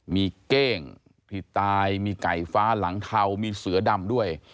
มีเก้งที่ตายมีไก่ฟ้าหลังเทามีเสือดำด้วย